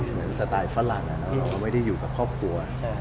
สไตล์ฝรั่งเราก็ไม่ได้อยู่กับครอบครัว